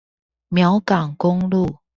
苗港公路